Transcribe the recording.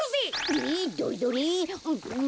えどれどれ？